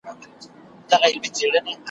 یو له بله تبریکۍ سوې اتڼونه .